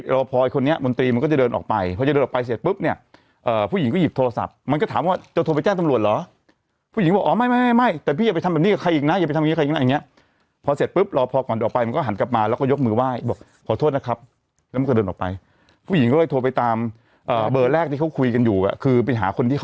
รอพออีกคนนี้มนตรีมันก็จะเดินออกไปพอเดินออกไปเสร็จปุ๊บเนี่ยผู้หญิงก็หยิบโทรศัพท์มันก็ถามว่าจะโทรไปแจ้งตำรวจหรอผู้หญิงบอกอ๋อไม่ไม่ไม่แต่พี่อยากไปทำแบบนี้กับใครอีกนะอยากไปทำแบบนี้กับใครอีกนะอย่างนี้พอเสร็จปุ๊บรอพอก่อนออกไปมันก็หันกลับมาแล้วก็ยกมือไหว้บอกขอโทษนะครับแล้วมัน